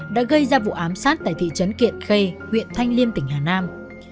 đã gây ra vụ ám sát tại thị trấn kiện khê huyện thanh liêm tỉnh hà nam